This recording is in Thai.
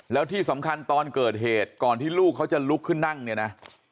แล้วที่สำคัญตอนเกิดเหตุก่อนที่ลูกเขาจะลุกขึ้นนั่งเนี่ยนะ